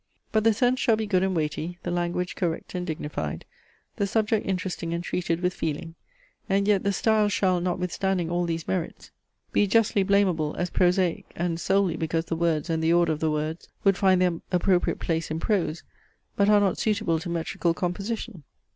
But the sense shall be good and weighty, the language correct and dignified, the subject interesting and treated with feeling; and yet the style shall, notwithstanding all these merits, be justly blamable as prosaic, and solely because the words and the order of the words would find their appropriate place in prose, but are not suitable to metrical composition.